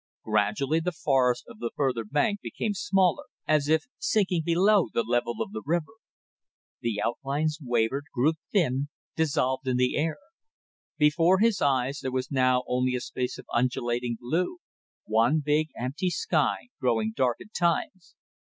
Gradually the forest of the further bank became smaller, as if sinking below the level of the river. The outlines wavered, grew thin, dissolved in the air. Before his eyes there was now only a space of undulating blue one big, empty sky growing dark at times.